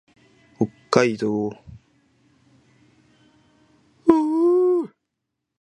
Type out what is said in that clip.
北海道長万部町